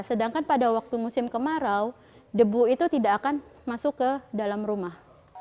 sedangkan pada waktu musim kemarau debu itu tidak akan masuk ke dalam rumah